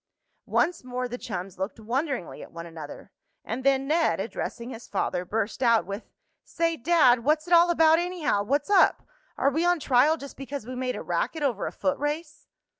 Once more the chums looked wonderingly at one another, and then Ned, addressing his father, burst out with: "Say, Dad, what's it all about, anyhow? What's up? Are we on trial just because we made a racket over a foot race?"